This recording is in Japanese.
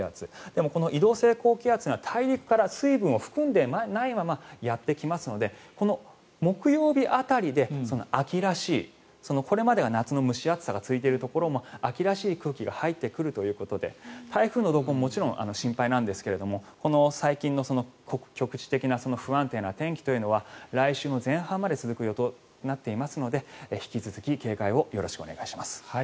でもこの移動性高気圧は大陸から水分を含んでいないままやってきますので木曜日辺りで秋らしいこれまでは夏の蒸し暑さが続いているところも秋らしい空気が入ってくるということで台風の動向ももちろん心配なんですが、最近の局地的な不安定な天気というのは来週の前半まで続く予想となっていますので引き続き警戒をよろしくお願いします。